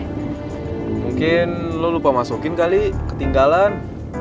mungkin lo lupa masukin kali ketinggalan